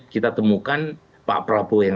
kita temukan pak prabowo yang